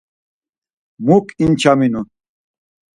Muk inçaminu.